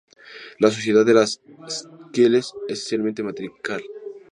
La sociedad de las Seychelles es esencialmente matriarcal.